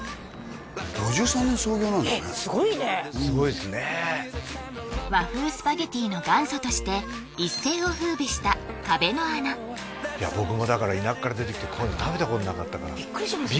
５３年創業なんだねえっすごいねすごいっすね和風スパゲティの元祖として一世を風靡した壁の穴僕もだから田舎から出てきてこういうの食べたことなかったビックリしますよね？